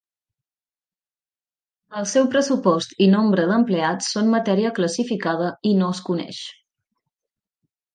El seu pressupost i nombre d'empleats són matèria classificada i no es coneix.